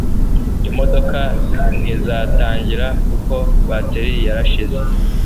Imodoka ntizatangira kuko bateri yarashize